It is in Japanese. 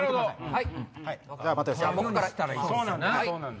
はい。